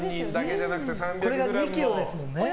これが２ｋｇですもんね。